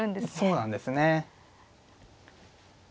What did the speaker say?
そうなんですね。